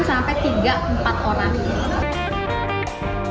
sampai tiga empat orang